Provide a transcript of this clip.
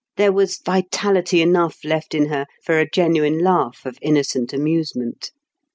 There was vitality enough left in her for a genuine laugh of innocent amusement.